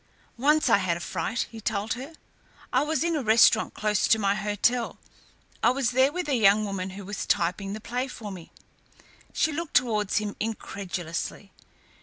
"Once I had a fright," he told her. "I was in a restaurant close to my hotel. I was there with a young woman who is typing the play for me." She looked towards him incredulously.